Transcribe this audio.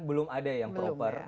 belum ada yang proper